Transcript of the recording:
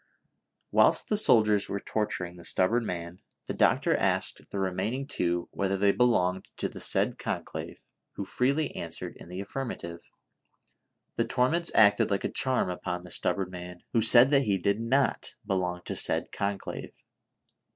Whilst the soldiers were torturing the stubborn man, the doctor asked the re maining two whether they belonged to the said conclave, who freely answered in the affirmative. The torments 234 THE SOCIAL WAR OF 1900; OR, acted like a charm upon the stubborn man, who said that he did not belong to said conclave.